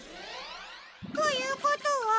ということは。